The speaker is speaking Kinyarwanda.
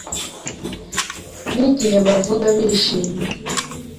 n’igihe bavuga bishimye